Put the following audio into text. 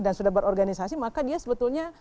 dan sudah berorganisasi maka dia sebetulnya